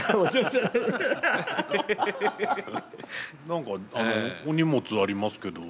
何かお荷物ありますけど。